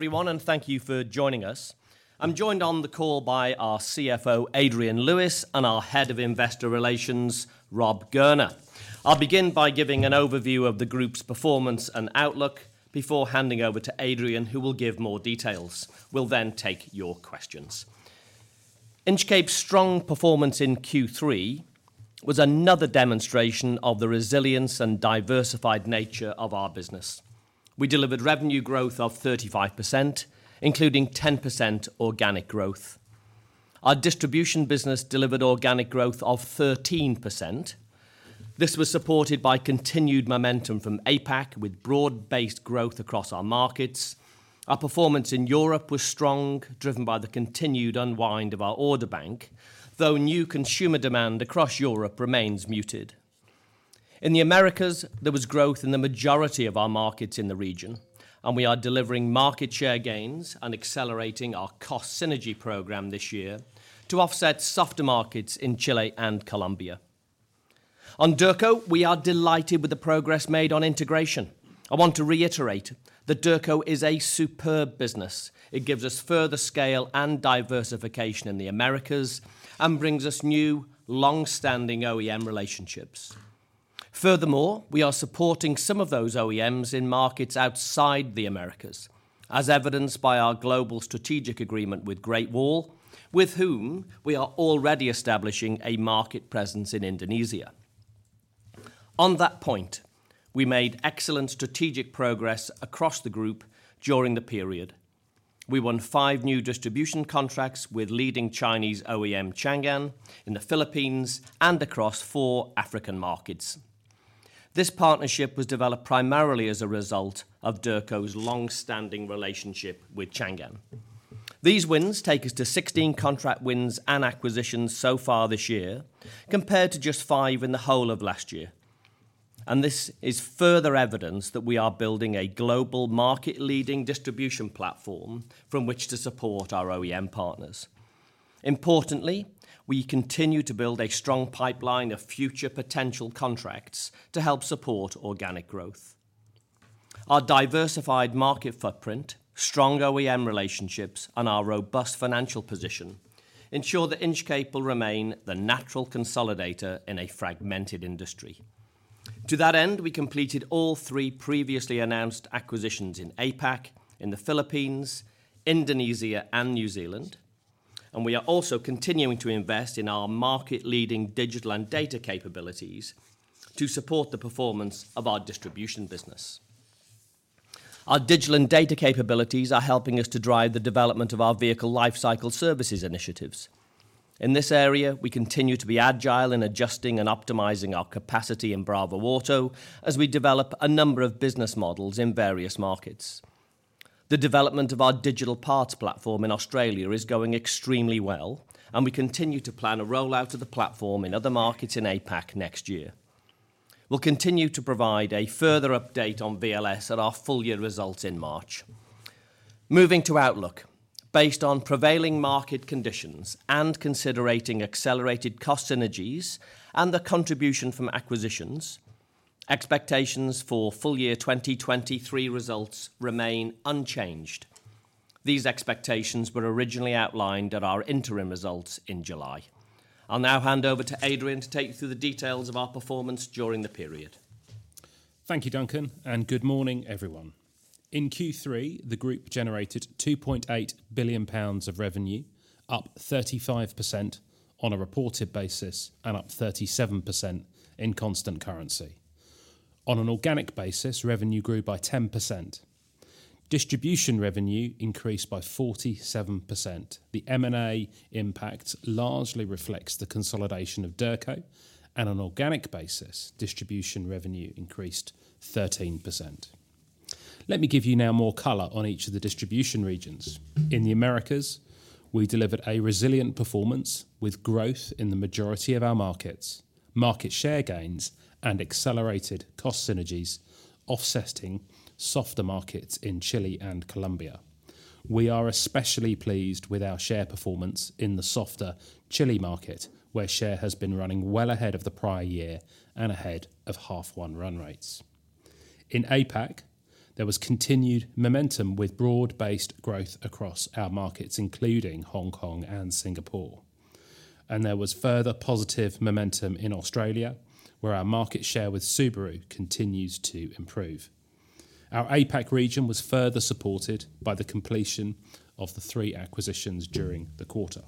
Everyone, and thank you for joining us. I'm joined on the call by our CFO, Adrian Lewis, and our Head of Investor Relations, Rob Gurner. I'll begin by giving an overview of the group's performance and outlook before handing over to Adrian, who will give more details. We'll then take your questions. Inchcape's strong performance in Q3 was another demonstration of the resilience and diversified nature of our business. We delivered revenue growth of 35%, including 10% organic growth. Our distribution business delivered organic growth of 13%. This was supported by continued momentum from APAC, with broad-based growth across our markets. Our performance in Europe was strong, driven by the continued unwind of our order bank, though new consumer demand across Europe remains muted. In the Americas, there was growth in the majority of our markets in the region, and we are delivering market share gains and accelerating our cost synergy program this year to offset softer markets in Chile and Colombia. On Derco, we are delighted with the progress made on integration. I want to reiterate that Derco is a superb business. It gives us further scale and diversification in the Americas and brings us new, long-standing OEM relationships. Furthermore, we are supporting some of those OEMs in markets outside the Americas, as evidenced by our global strategic agreement with Great Wall, with whom we are already establishing a market presence in Indonesia. On that point, we made excellent strategic progress across the group during the period. We won five new distribution contracts with leading Chinese OEM Changan in the Philippines and across four African markets. This partnership was developed primarily as a result of Derco's long-standing relationship with Changan. These wins take us to 16 contract wins and acquisitions so far this year, compared to just five in the whole of last year, and this is further evidence that we are building a global market-leading distribution platform from which to support our OEM partners. Importantly, we continue to build a strong pipeline of future potential contracts to help support organic growth. Our diversified market footprint, strong OEM relationships, and our robust financial position ensure that Inchcape will remain the natural consolidator in a fragmented industry. To that end, we completed all three previously announced acquisitions in APAC, in the Philippines, Indonesia, and New Zealand, and we are also continuing to invest in our market-leading digital and data capabilities to support the performance of our distribution business. Our digital and data capabilities are helping us to drive the development of our vehicle lifecycle services initiatives. In this area, we continue to be agile in adjusting and optimizing our capacity in Bravoauto as we develop a number of business models in various markets. The development of our digital parts platform in Australia is going extremely well, and we continue to plan a rollout of the platform in other markets in APAC next year. We'll continue to provide a further update on VLS at our full year results in March. Moving to outlook. Based on prevailing market conditions and considering accelerated cost synergies and the contribution from acquisitions, expectations for full year 2023 results remain unchanged. These expectations were originally outlined at our interim results in July. I'll now hand over to Adrian to take you through the details of our performance during the period. Thank you, Duncan, and good morning, everyone. In Q3, the group generated 2.8 billion pounds of revenue, up 35% on a reported basis and up 37% in constant currency. On an organic basis, revenue grew by 10%. Distribution revenue increased by 47%. The M&A impact largely reflects the consolidation of Derco and on organic basis, distribution revenue increased 13%. Let me give you now more color on each of the distribution regions. In the Americas, we delivered a resilient performance with growth in the majority of our markets, market share gains and accelerated cost synergies, offsetting softer markets in Chile and Colombia. We are especially pleased with our share performance in the softer Chile market, where share has been running well ahead of the prior year and ahead of half one run rates. In APAC, there was continued momentum with broad-based growth across our markets, including Hong Kong and Singapore, and there was further positive momentum in Australia, where our market share with Subaru continues to improve. Our APAC region was further supported by the completion of the three acquisitions during the quarter.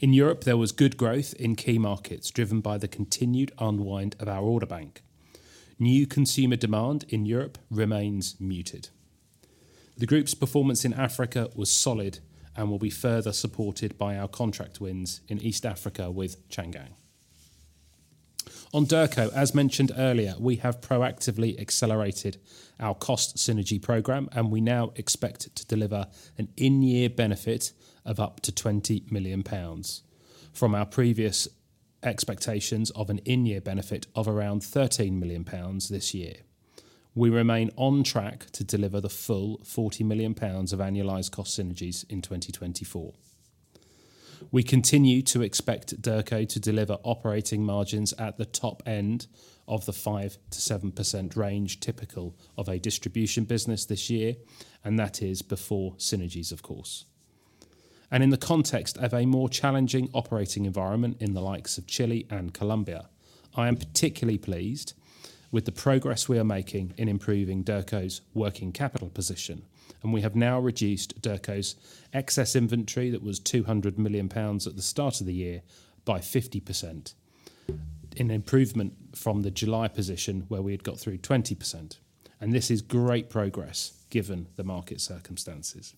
In Europe, there was good growth in key markets, driven by the continued unwind of our order bank. New consumer demand in Europe remains muted. The group's performance in Africa was solid and will be further supported by our contract wins in East Africa with Changan. On Derco, as mentioned earlier, we have proactively accelerated our cost synergy program, and we now expect it to deliver an in-year benefit of up to 20 million pounds from our previous expectations of an in-year benefit of around 13 million pounds this year. We remain on track to deliver the full 40 million pounds of annualized cost synergies in 2024. We continue to expect Derco to deliver operating margins at the top end of the 5%-7% range, typical of a distribution business this year, and that is before synergies, of course. And in the context of a more challenging operating environment in the likes of Chile and Colombia, I am particularly pleased with the progress we are making in improving Derco's working capital position, and we have now reduced Derco's excess inventory, that was 200 million pounds at the start of the year, by 50%. An improvement from the July position, where we had got through 20%, and this is great progress given the market circumstances.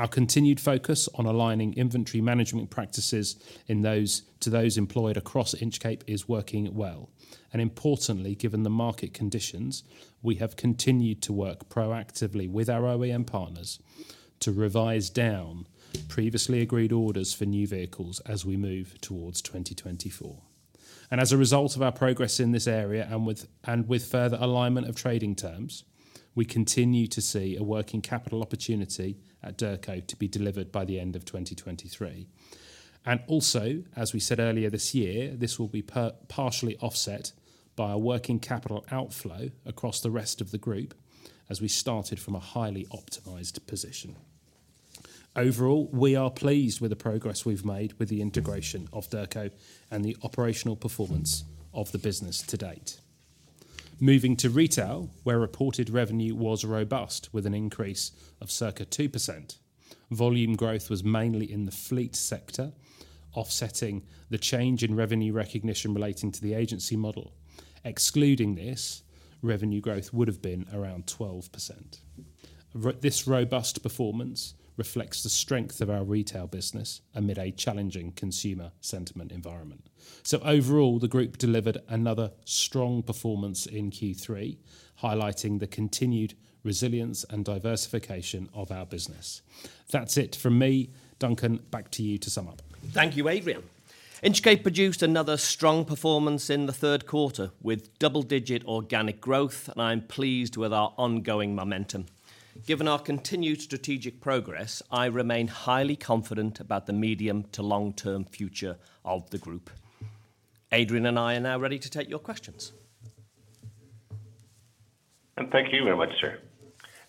Our continued focus on aligning inventory management practices to those employed across Inchcape is working well. Importantly, given the market conditions, we have continued to work proactively with our OEM partners to revise down previously agreed orders for new vehicles as we move towards 2024. And as a result of our progress in this area, and with further alignment of trading terms, we continue to see a working capital opportunity at Derco to be delivered by the end of 2023. And also, as we said earlier this year, this will be partially offset by a working capital outflow across the rest of the group as we started from a highly optimized position. Overall, we are pleased with the progress we've made with the integration of Derco and the operational performance of the business to date. Moving to retail, where reported revenue was robust, with an increase of circa 2%. Volume growth was mainly in the fleet sector, offsetting the change in revenue recognition relating to the agency model. Excluding this, revenue growth would have been around 12%. This robust performance reflects the strength of our retail business amid a challenging consumer sentiment environment. So overall, the group delivered another strong performance in Q3, highlighting the continued resilience and diversification of our business. That's it from me. Duncan, back to you to sum up. Thank you, Adrian. Inchcape produced another strong performance in the third quarter, with double-digit organic growth, and I'm pleased with our ongoing momentum. Given our continued strategic progress, I remain highly confident about the medium to long-term future of the group. Adrian and I are now ready to take your questions. Thank you very much, sir.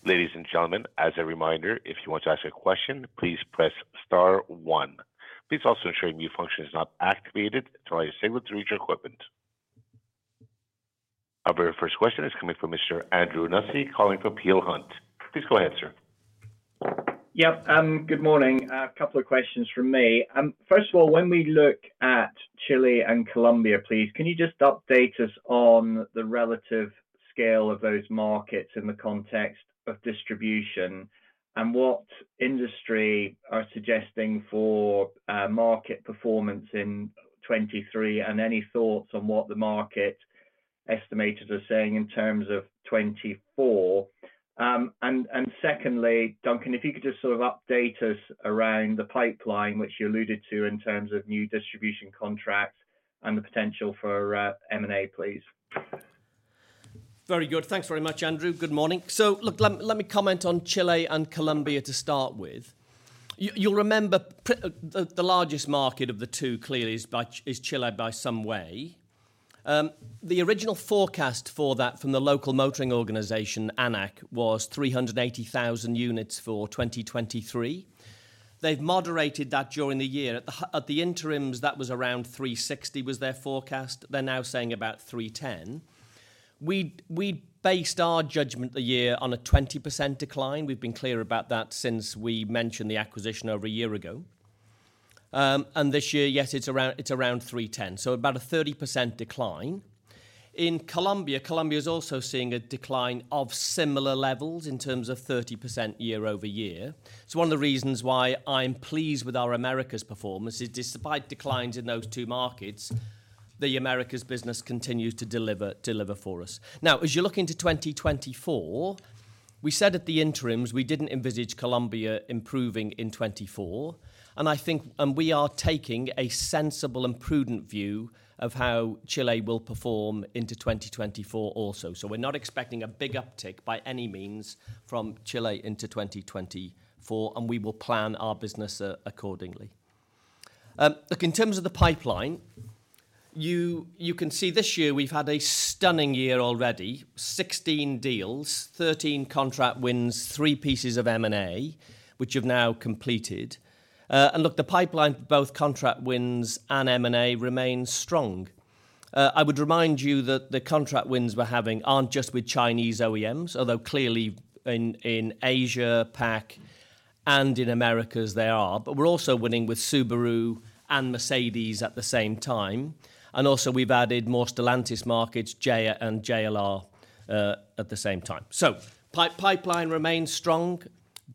Ladies and gentlemen, as a reminder, if you want to ask a question, please press star one. Please also ensure your mute function is not activated during your signal through your equipment. Our very first question is coming from Mr. Andrew Nussey, calling from Peel Hunt. Please go ahead, sir. Yep, good morning. A couple of questions from me. First of all, when we look at Chile and Colombia, please, can you just update us on the relative scale of those markets in the context of distribution? And what industry are suggesting for market performance in 2023, and any thoughts on what the market estimators are saying in terms of 2024? And secondly, Duncan, if you could just sort of update us around the pipeline, which you alluded to in terms of new distribution contracts and the potential for M&A, please. Very good. Thanks very much, Andrew. Good morning. So look, let me comment on Chile and Colombia to start with. You'll remember the largest market of the two, clearly is Chile by some way. The original forecast for that from the local motoring organization, ANAC, was 380,000 units for 2023. They've moderated that during the year. At the interims, that was around 360, was their forecast. They're now saying about 310. We based our judgment the year on a 20% decline. We've been clear about that since we mentioned the acquisition over a year ago. And this year, yes, it's around, it's around 310, so about a 30% decline. In Colombia, Colombia is also seeing a decline of similar levels in terms of 30% year-over-year. It's one of the reasons why I'm pleased with our Americas performance, is despite declines in those two markets, the Americas business continues to deliver, deliver for us. Now, as you look into 2024, we said at the interims, we didn't envisage Colombia improving in 2024, and I think... and we are taking a sensible and prudent view of how Chile will perform into 2024 also. So we're not expecting a big uptick by any means from Chile into 2024, and we will plan our business accordingly. Look, in terms of the pipeline, you, you can see this year we've had a stunning year already, 16 deals, 13 contract wins, three pieces of M&A, which have now completed. And look, the pipeline, both contract wins and M&A remain strong. I would remind you that the contract wins we're having aren't just with Chinese OEMs, although clearly in APAC and in Americas they are, but we're also winning with Subaru and Mercedes at the same time, and also we've added more Stellantis markets, JAC and JLR, at the same time. So pipeline remains strong,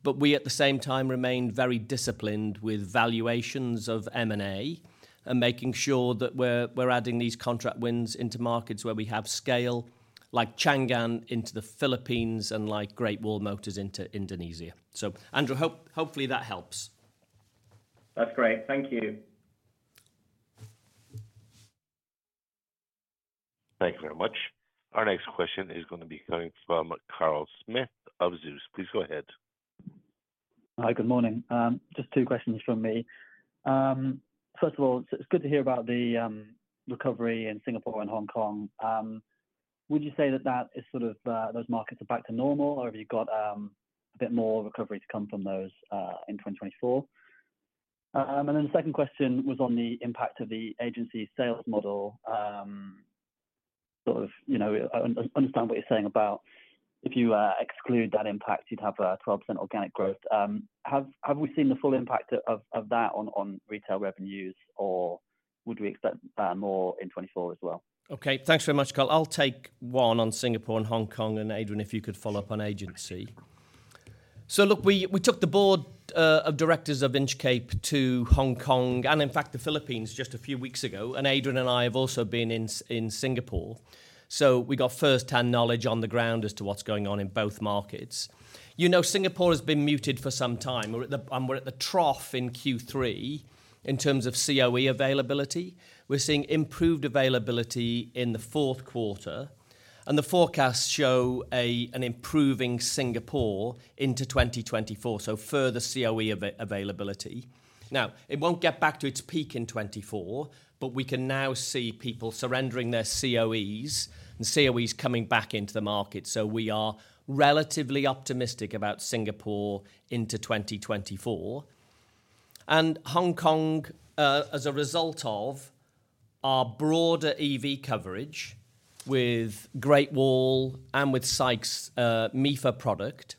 but we at the same time remain very disciplined with valuations of M&A and making sure that we're adding these contract wins into markets where we have scale, like Changan into the Philippines and like Great Wall Motors into Indonesia. So Andrew, hopefully, that helps. That's great. Thank you. Thank you very much. Our next question is going to be coming from Carl Smith of Zeus. Please go ahead. Hi, good morning. Just two questions from me. First of all, it's good to hear about the recovery in Singapore and Hong Kong. Would you say that that is sort of those markets are back to normal, or have you got a bit more recovery to come from those in 2024? And then the second question was on the impact of the agency sales model. Sort of, you know, I understand what you're saying about if you exclude that impact, you'd have a 12% organic growth. Have we seen the full impact of that on retail revenues, or would we expect that more in 2024 as well? Okay. Thanks very much, Carl. I'll take one on Singapore and Hong Kong, and Adrian, if you could follow up on agency. So look, we took the board of directors of Inchcape to Hong Kong, and in fact, the Philippines just a few weeks ago, and Adrian and I have also been in Singapore. So we got first-hand knowledge on the ground as to what's going on in both markets. You know, Singapore has been muted for some time. We're at the trough in Q3 in terms of COE availability. We're seeing improved availability in the fourth quarter, and the forecasts show an improving Singapore into 2024, so further COE availability. Now, it won't get back to its peak in 2024, but we can now see people surrendering their COEs and COEs coming back into the market, so we are relatively optimistic about Singapore into 2024. And Hong Kong, as a result of our broader EV coverage with Great Wall and with SAIC's, MIFA product,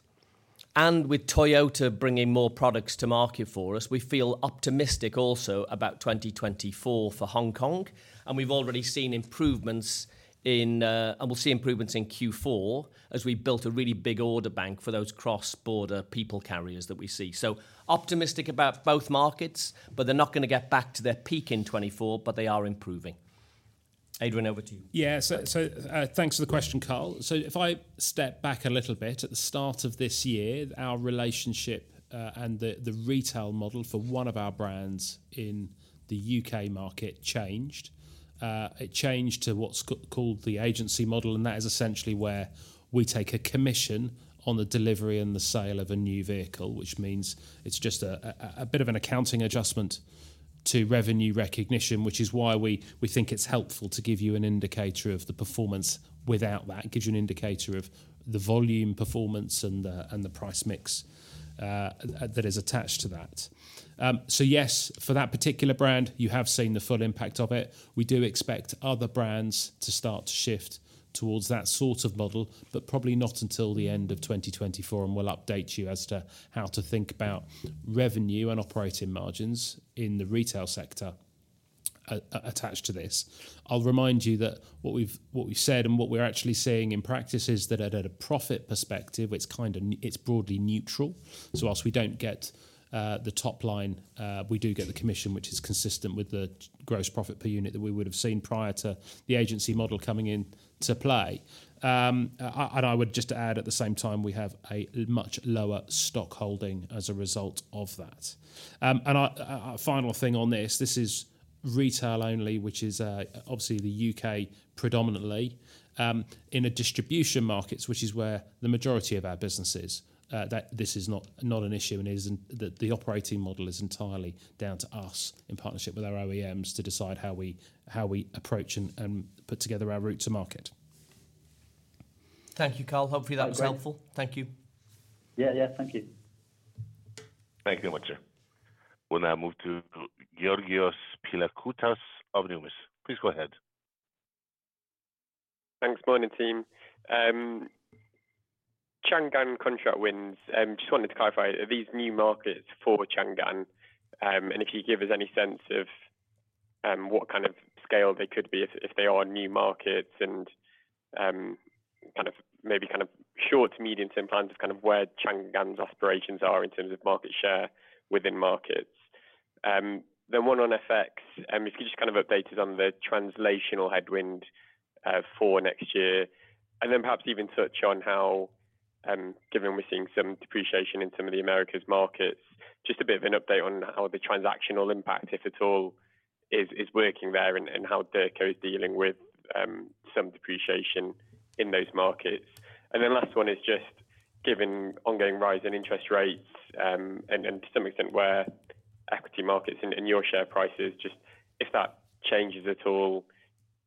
and with Toyota bringing more products to market for us, we feel optimistic also about 2024 for Hong Kong, and we've already seen improvements in, and we'll see improvements in Q4 as we built a really big order bank for those cross-border people carriers that we see. So optimistic about both markets, but they're not gonna get back to their peak in 2024, but they are improving. Adrian, over to you. Yeah, so, thanks for the question, Carl. So if I step back a little bit, at the start of this year, our relationship and the retail model for one of our brands in the U.K. market changed. It changed to what's called the agency model, and that is essentially where we take a commission on the delivery and the sale of a new vehicle, which means it's just a bit of an accounting adjustment to revenue recognition, which is why we think it's helpful to give you an indicator of the performance without that. It gives you an indicator of the volume, performance, and the price mix that is attached to that. So yes, for that particular brand, you have seen the full impact of it. We do expect other brands to start to shift towards that sort of model, but probably not until the end of 2024, and we'll update you as to how to think about revenue and operating margins in the retail sector attached to this. I'll remind you that what we've said, and what we're actually seeing in practice is that at a profit perspective, it's kind of it's broadly neutral. So whilst we don't get the top line, we do get the commission, which is consistent with the gross profit per unit that we would have seen prior to the agency model coming into play. And I would just add, at the same time, we have a much lower stock holding as a result of that. And I... Final thing on this, this is retail only, which is obviously the U.K. predominantly. In the distribution markets, which is where the majority of our business is, that this is not an issue and isn't the operating model is entirely down to us, in partnership with our OEMs, to decide how we approach and put together our route to market. Thank you, Carl. Hopefully, that was helpful. Great. Thank you. Yeah, yeah. Thank you. Thank you very much. We'll now move to Georgios Pilakoutas of Numis. Please go ahead. Thanks. Morning, team. Changan contract wins. Just wanted to clarify, are these new markets for Changan? And if you could give us any sense of, what kind of scale they could be if, if they are new markets and, kind of maybe kind of short to medium-term plans, just kind of where Changan's aspirations are in terms of market share within markets. Then one on FX. If you just kind of updated on the translational headwind, for next year, and then perhaps even touch on how, given we're seeing some depreciation in some of the Americas markets, just a bit of an update on how the transactional impact, if at all, is, is working there and, and how Derco is dealing with, some depreciation in those markets. And then last one is just given ongoing rise in interest rates, and to some extent, where equity markets and your share prices, just if that changes at all,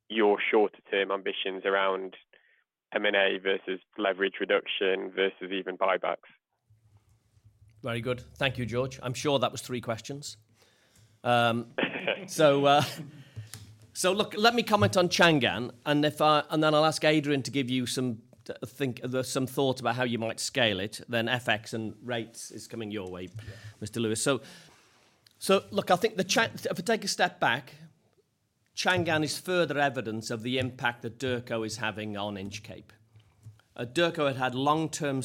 your shorter-term ambitions around M&A versus leverage reduction versus even buybacks. Very good. Thank you, George. I'm sure that was three questions. So look, let me comment on Changan, and then I'll ask Adrian to give you some thought about how you might scale it. Then FX and rates is coming your way, Mr. Lewis. So look, I think if we take a step back, Changan is further evidence of the impact that Derco is having on Inchcape. Derco had long-term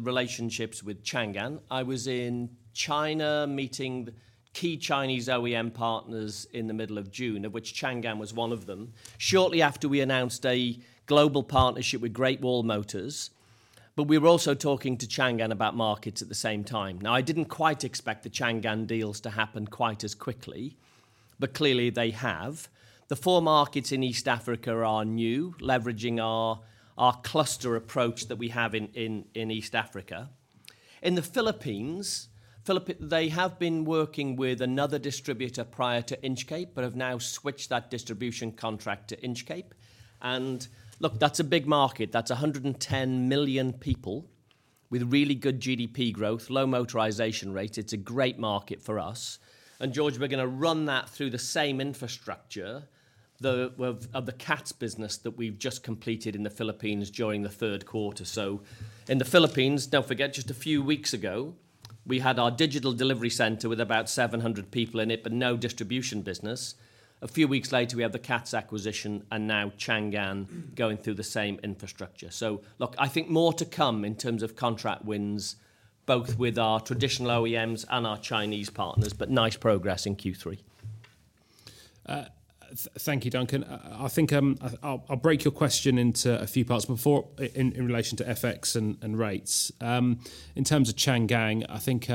relationships with Changan. I was in China meeting the key Chinese OEM partners in the middle of June, of which Changan was one of them. Shortly after, we announced a global partnership with Great Wall Motors. But we were also talking to Changan about markets at the same time. Now, I didn't quite expect the Changan deals to happen quite as quickly, but clearly they have. The four markets in East Africa are new, leveraging our cluster approach that we have in East Africa. In the Philippines, they have been working with another distributor prior to Inchcape, but have now switched that distribution contract to Inchcape. Look, that's a big market. That's 110 million people with really good GDP growth, low motorization rate. It's a great market for us. George, we're going to run that through the same infrastructure of the CATS business that we've just completed in the Philippines during the third quarter. So in the Philippines, don't forget, just a few weeks ago, we had our digital delivery center with about 700 people in it, but no distribution business. A few weeks later, we had the CATS acquisition and now Changan going through the same infrastructure. So look, I think more to come in terms of contract wins, both with our traditional OEMs and our Chinese partners, but nice progress in Q3. Thank you, Duncan. I think, I'll break your question into a few parts before, in relation to FX and rates. In terms of Changan, I think,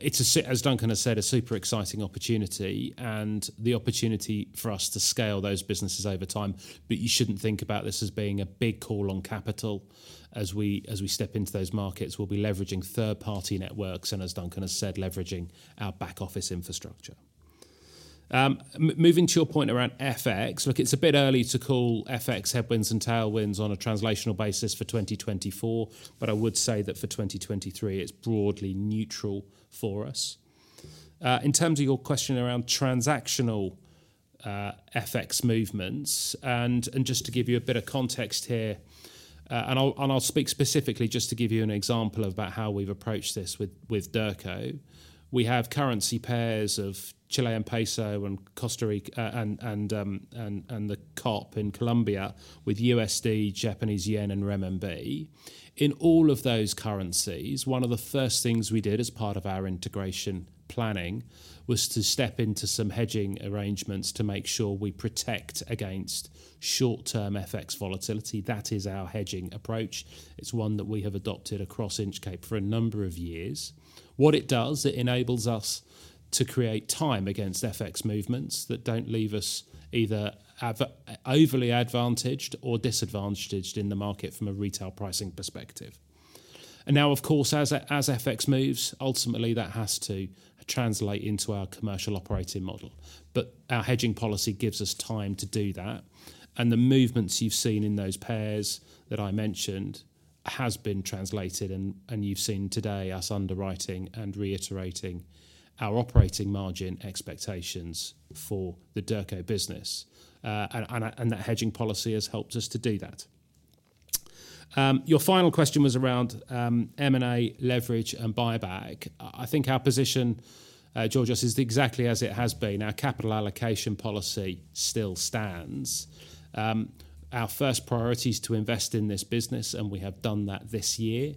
it's as Duncan has said, a super exciting opportunity and the opportunity for us to scale those businesses over time. But you shouldn't think about this as being a big call on capital. As we step into those markets, we'll be leveraging third-party networks, and as Duncan has said, leveraging our back-office infrastructure. Moving to your point around FX. Look, it's a bit early to call FX headwinds and tailwinds on a translational basis for 2024, but I would say that for 2023, it's broadly neutral for us. In terms of your question around transactional FX movements, and just to give you a bit of context here, I'll speak specifically just to give you an example about how we've approached this with Derco. We have currency pairs of Chilean peso and Costa Rica, the COP in Colombia with USD, Japanese yen, and renminbi. In all of those currencies, one of the first things we did as part of our integration planning was to step into some hedging arrangements to make sure we protect against short-term FX volatility. That is our hedging approach. It's one that we have adopted across Inchcape for a number of years. What it does, it enables us to create time against FX movements that don't leave us either overly advantaged or disadvantaged in the market from a retail pricing perspective. And now, of course, as FX moves, ultimately that has to translate into our commercial operating model. But our hedging policy gives us time to do that, and the movements you've seen in those pairs that I mentioned has been translated, and you've seen today us underwriting and reiterating our operating margin expectations for the Derco business. And that hedging policy has helped us to do that. Your final question was around M&A, leverage, and buyback. I think our position, Georgios, is exactly as it has been. Our capital allocation policy still stands. Our first priority is to invest in this business, and we have done that this year.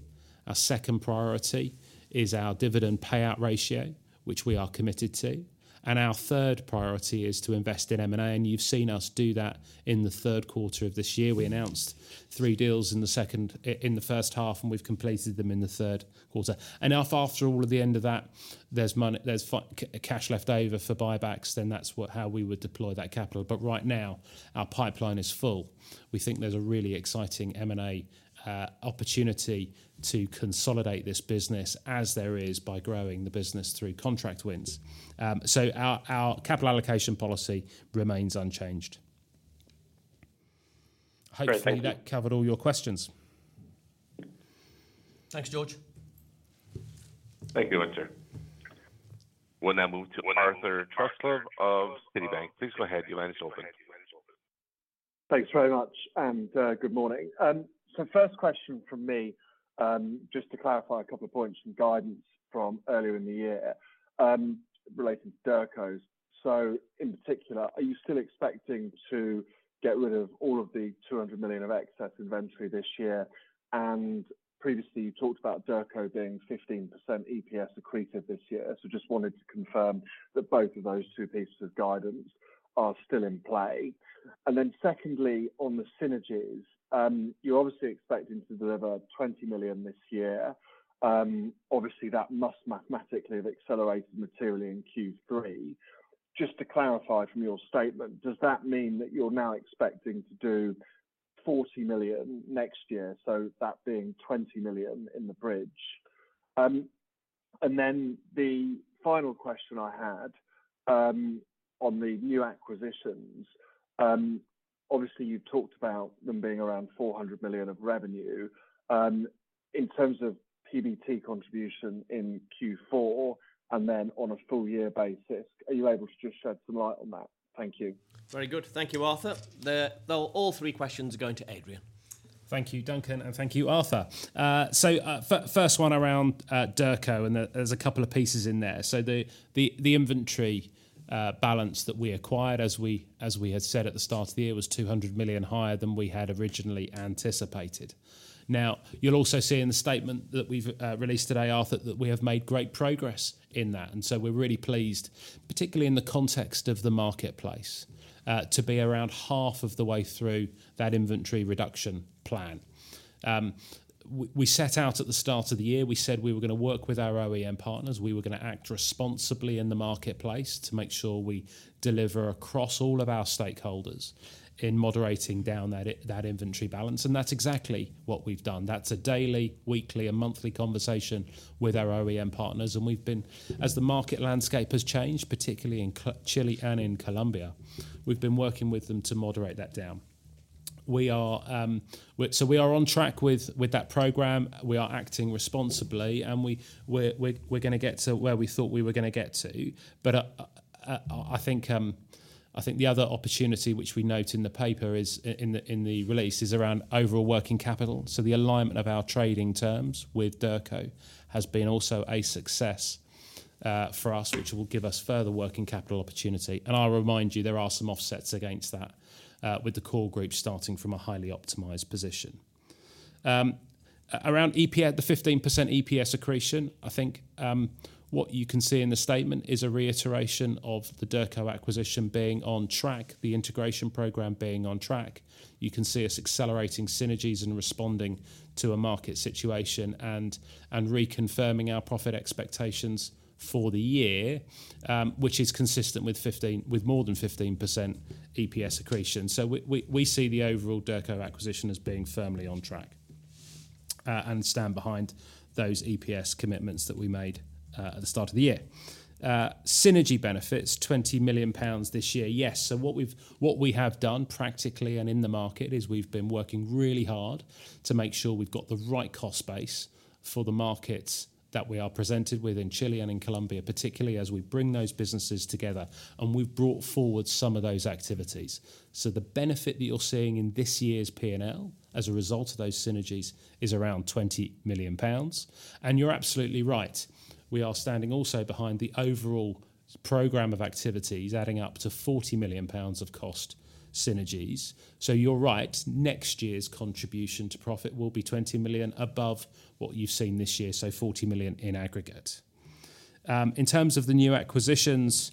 Our second priority is our dividend payout ratio, which we are committed to. Our third priority is to invest in M&A, and you've seen us do that in the third quarter of this year. We announced three deals in the first half, and we've completed them in the third quarter. Now after all of the end of that, there's cash left over for buybacks, then that's what how we would deploy that capital. But right now, our pipeline is full. We think there's a really exciting M&A opportunity to consolidate this business as there is by growing the business through contract wins. So our capital allocation policy remains unchanged. Great, thank you. I hope that covered all your questions. Thanks, George. Thank you, sir. We'll now move to Arthur Truslove of Citibank. Please go ahead. Your line is open. Thanks very much, and good morning. So first question from me, just to clarify a couple of points and guidance from earlier in the year, relating to Derco. So in particular, are you still expecting to get rid of all of the 200 million of excess inventory this year? And previously, you talked about Derco being 15% EPS accretive this year. So just wanted to confirm that both of those two pieces of guidance are still in play. And then secondly, on the synergies, you're obviously expecting to deliver 20 million this year. Obviously, that must mathematically have accelerated materially in Q3. Just to clarify from your statement, does that mean that you're now expecting to do 40 million next year? So that being 20 million in the bridge. And then the final question I had, on the new acquisitions, obviously, you talked about them being around 400 million of revenue, in terms of PBT contribution in Q4 and then on a full year basis, are you able to just shed some light on that? Thank you. Very good. Thank you, Arthur. Well, all three questions are going to Adrian. Thank you, Duncan, and thank you, Arthur. So first one around Derco, and there, there's a couple of pieces in there. So the inventory balance that we acquired, as we had said at the start of the year, was 200 million higher than we had originally anticipated. Now, you'll also see in the statement that we've released today, Arthur, that we have made great progress in that, and so we're really pleased, particularly in the context of the marketplace, to be around half of the way through that inventory reduction plan. We set out at the start of the year, we said we were gonna work with our OEM partners, we were gonna act responsibly in the marketplace to make sure we deliver across all of our stakeholders in moderating down that inventory balance, and that's exactly what we've done. That's a daily, weekly, and monthly conversation with our OEM partners, and we've been. As the market landscape has changed, particularly in Chile and in Colombia, we've been working with them to moderate that down. We are. So we are on track with that program. We are acting responsibly, and we're gonna get to where we thought we were gonna get to. But, I think the other opportunity, which we note in the paper is, in the release, is around overall working capital. So the alignment of our trading terms with Derco has been also a success, for us, which will give us further working capital opportunity. And I'll remind you, there are some offsets against that, with the core group starting from a highly optimized position. Around the 15% EPS accretion, I think, what you can see in the statement is a reiteration of the Derco acquisition being on track, the integration program being on track. You can see us accelerating synergies and responding to a market situation and reconfirming our profit expectations for the year, which is consistent with more than 15% EPS accretion. So we see the overall Derco acquisition as being firmly on track, and stand behind those EPS commitments that we made at the start of the year. Synergy benefits, 20 million pounds this year. Yes, so what we have done practically and in the market is we've been working really hard to make sure we've got the right cost base for the markets that we are presented with in Chile and in Colombia, particularly as we bring those businesses together, and we've brought forward some of those activities. So the benefit that you're seeing in this year's P&L, as a result of those synergies, is around 20 million pounds. And you're absolutely right, we are standing also behind the overall program of activities, adding up to 40 million pounds of cost synergies. So you're right, next year's contribution to profit will be 20 million above what you've seen this year, so 40 million in aggregate. In terms of the new acquisitions,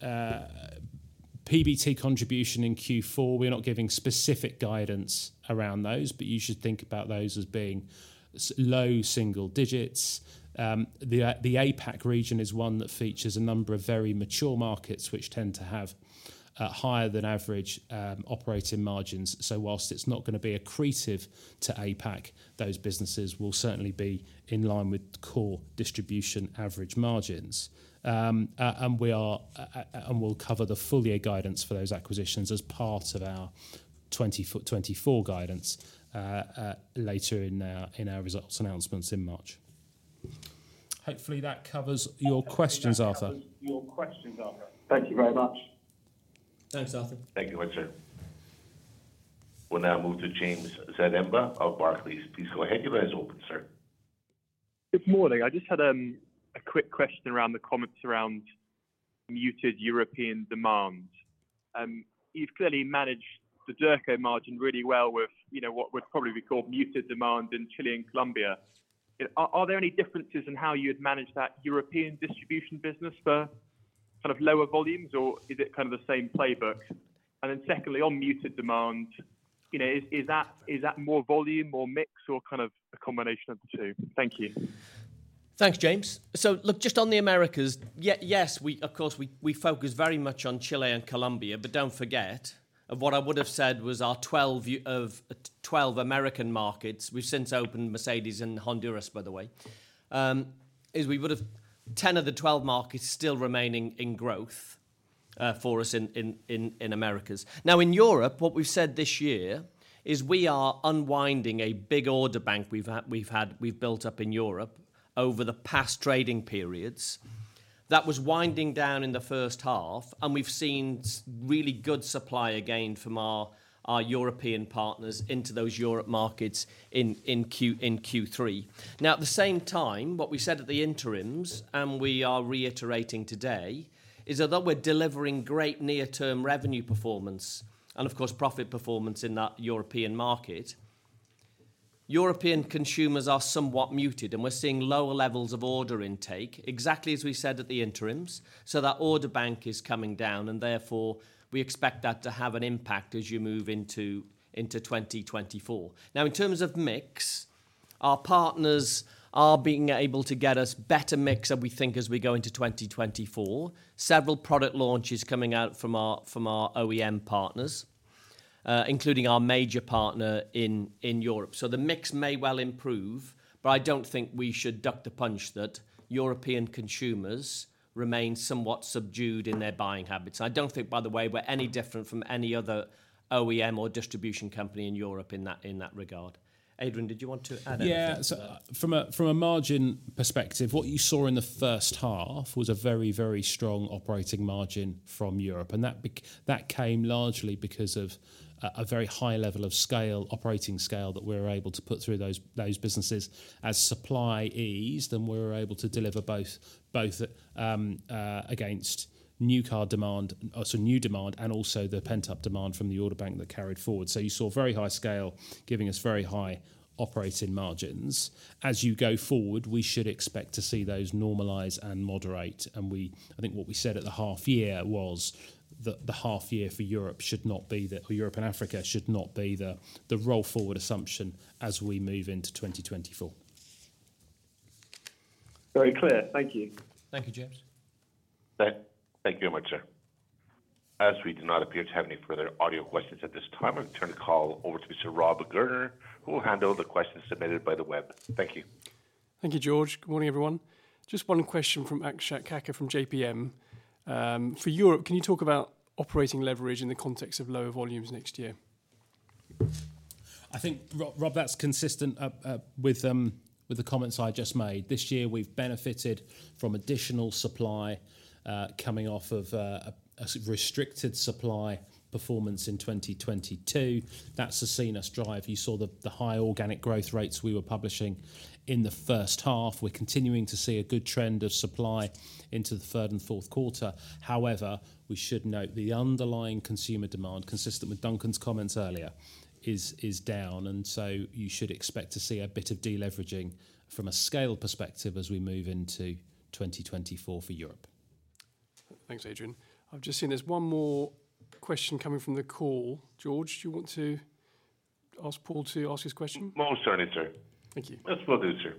PBT contribution in Q4, we're not giving specific guidance around those, but you should think about those as being low single digits. The APAC region is one that features a number of very mature markets, which tend to have higher than average operating margins. So whilst it's not gonna be accretive to APAC, those businesses will certainly be in line with core distribution average margins. And we'll cover the full year guidance for those acquisitions as part of our 2024 guidance later in our results announcements in March. Hopefully, that covers your questions, Arthur. Thank you very much. Thanks, Arthur. Thank you, Arthur. We'll now move to James Sheridan of Barclays. Please go ahead. Your line is open, sir. Good morning. I just had a quick question around the comments around muted European demand. You've clearly managed the Derco margin really well with, you know, what would probably be called muted demand in Chile and Colombia. Are there any differences in how you'd manage that European distribution business for sort of lower volumes, or is it kind of the same playbook? And then secondly, on muted demand, you know, is that more volume or mix or kind of a combination of the two? Thank you. Thanks, James. So look, just on the Americas, yes, we, of course, we focus very much on Chile and Colombia, but don't forget, of what I would have said was our 12 of 12 American markets, we've since opened Mercedes in Honduras, by the way, is we would have 10 of the 12 markets still remaining in growth, for us in Americas. Now, in Europe, what we've said this year is we are unwinding a big order bank we've had, we've built up in Europe over the past trading periods. That was winding down in the first half, and we've seen really good supply again from our European partners into those Europe markets in Q3. Now, at the same time, what we said at the interims, and we are reiterating today, is although we're delivering great near-term revenue performance, and of course, profit performance in that European market, European consumers are somewhat muted, and we're seeing lower levels of order intake, exactly as we said at the interims. So that order bank is coming down, and therefore, we expect that to have an impact as you move into 2024. Now, in terms of mix, our partners are being able to get us better mix than we think as we go into 2024. Several product launches coming out from our OEM partners, including our major partner in Europe. So the mix may well improve, but I don't think we should duck the punch that European consumers remain somewhat subdued in their buying habits. I don't think, by the way, we're any different from any other OEM or distribution company in Europe in that regard. Adrian, did you want to add anything to that? Yeah. So from a margin perspective, what you saw in the first half was a very, very strong operating margin from Europe, and that came largely because of a very high level of scale, operating scale, that we were able to put through those businesses. As supply eased, then we were able to deliver both against new car demand, so new demand, and also the pent-up demand from the order bank that carried forward. So you saw very high scale, giving us very high operating margins. As you go forward, we should expect to see those normalize and moderate, and I think what we said at the half year was that the half year for Europe should not be the or Europe and Africa should not be the roll forward assumption as we move into 2024. Very clear. Thank you. Thank you, James. Thank you very much, sir. As we do not appear to have any further audio questions at this time, I'll turn the call over to Mr. Rob Gurner, who will handle the questions submitted by the web. Thank you. Thank you, George. Good morning, everyone. Just one question from Akshat Kakkar from JPM. For Europe, can you talk about operating leverage in the context of lower volumes next year? I think Rob, that's consistent with the comments I just made. This year, we've benefited from additional supply coming off of a restricted supply performance in 2022. That's seen us drive. You saw the high organic growth rates we were publishing in the first half. We're continuing to see a good trend of supply into the third and fourth quarter. However, we should note the underlying consumer demand, consistent with Duncan's comments earlier, is down, and so you should expect to see a bit of de-leveraging from a scale perspective as we move into 2024 for Europe. Thanks, Adrian. I've just seen there's one more question coming from the call. George, do you want to ask Paul to ask his question? Most certainly, sir. Thank you. Yes, will do, sir.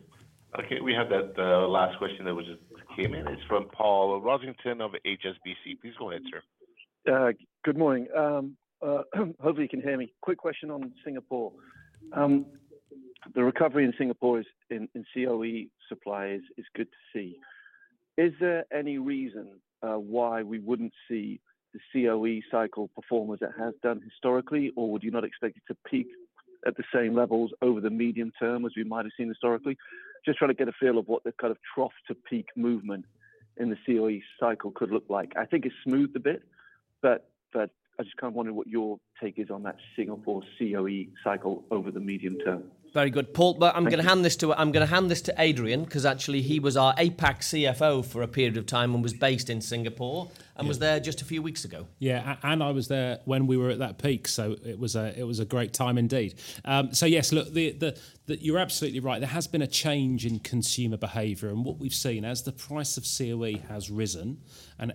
Okay, we have that, last question that was just came in. It's from Paul Sheridan of HSBC. Please go ahead, sir. Good morning. Hopefully you can hear me. Quick question on Singapore. The recovery in Singapore in COE supplies is good to see. Is there any reason why we wouldn't see the COE cycle perform as it has done historically, or would you not expect it to peak at the same levels over the medium term, as we might have seen historically? Just trying to get a feel of what the kind of trough to peak movement in the COE cycle could look like. I think it's smoothed a bit, but I just kind of wondering what your take is on that Singapore COE cycle over the medium term. Very good, Paul. Thank you. But I'm gonna hand this to Adrian, 'cause actually he was our APAC CFO for a period of time and was based in Singapore and was there just a few weeks ago. Yeah, and I was there when we were at that peak, so it was a great time indeed. So yes, look, You're absolutely right. There has been a change in consumer behavior, and what we've seen as the price of COE has risen, and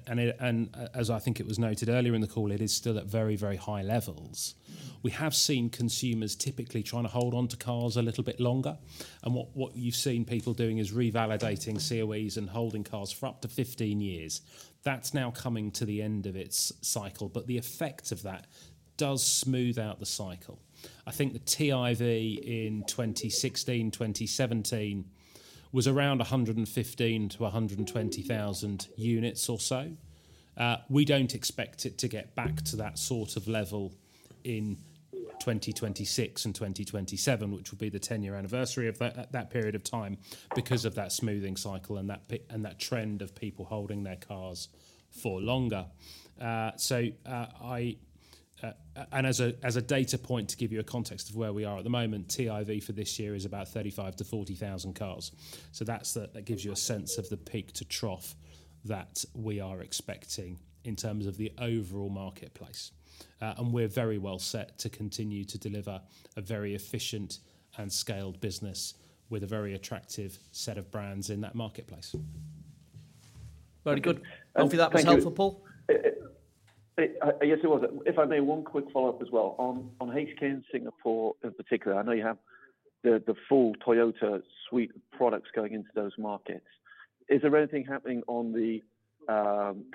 as I think it was noted earlier in the call, it is still at very, very high levels. We have seen consumers typically trying to hold on to cars a little bit longer, and what you've seen people doing is revalidating COEs and holding cars for up to 15 years. That's now coming to the end of its cycle, but the effect of that does smooth out the cycle. I think the TIV in 2016, 2017 was around 115,000-120,000 units or so. We don't expect it to get back to that sort of level in 2026 and 2027, which will be the ten-year anniversary of that period of time, because of that smoothing cycle and that trend of people holding their cars for longer. So, as a data point, to give you a context of where we are at the moment, TIV for this year is about 35,000-40,000 cars. So that's that gives you a sense of the peak to trough that we are expecting in terms of the overall marketplace. And we're very well set to continue to deliver a very efficient and scaled business with a very attractive set of brands in that marketplace. Very good. Thank you. Hopefully that was helpful, Paul? Yes, it was. If I may, one quick follow-up as well. On HK and Singapore in particular, I know you have the full Toyota suite of products going into those markets. Is there anything happening on the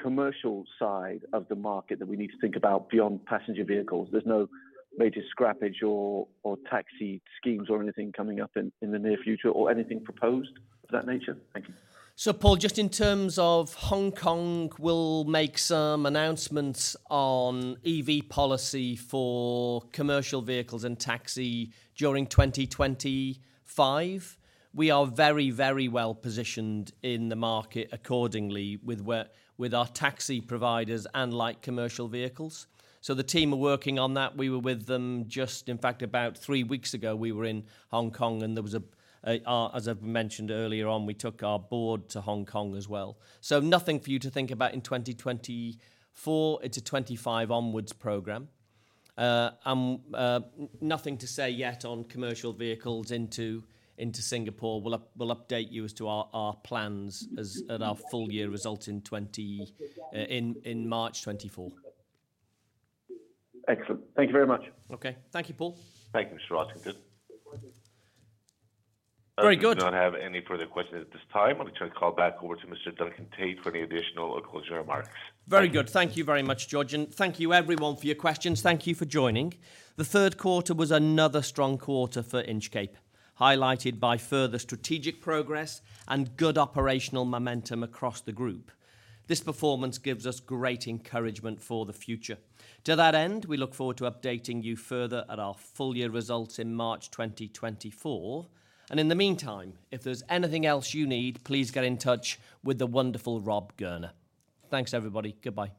commercial side of the market that we need to think about beyond passenger vehicles? There's no major scrappage or taxi schemes or anything coming up in the near future, or anything proposed of that nature? Thank you. So Paul, just in terms of Hong Kong, we'll make some announcements on EV policy for commercial vehicles and taxi during 2025. We are very, very well positioned in the market accordingly with our taxi providers and light commercial vehicles. So the team are working on that. We were with them just. In fact, about three weeks ago, we were in Hong Kong, and there was a, a, as I've mentioned earlier on, we took our board to Hong Kong as well. So nothing for you to think about in 2024. It's a 25 onwards program. And nothing to say yet on commercial vehicles into Singapore. We'll update you as to our plans as at our full year results in March 2024. Excellent. Thank you very much. Okay. Thank you, Paul. Thank you, Mr. Sheridan. Very good. We do not have any further questions at this time. I'll turn the call back over to Mr. Duncan Tait for any additional or closing remarks. Very good. Thank you very much, George, and thank you everyone for your questions. Thank you for joining. The third quarter was another strong quarter for Inchcape, highlighted by further strategic progress and good operational momentum across the group. This performance gives us great encouragement for the future. To that end, we look forward to updating you further at our full year results in March 2024. And in the meantime, if there's anything else you need, please get in touch with the wonderful Rob Gurner. Thanks, everybody. Goodbye.